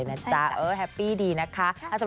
มันรับปริยา